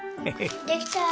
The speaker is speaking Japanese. できた。